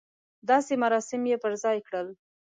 داسې مراسم یې پر ځای کړل.